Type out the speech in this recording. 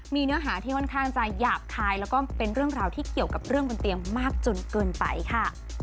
มีเนื้อหาที่ค่อนข้างจะหยาบคายแล้วก็เป็นเรื่องราวที่เกี่ยวกับเรื่องบนเตียงมากจนเกินไปค่ะ